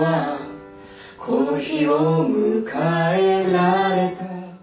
「この日を迎えられた」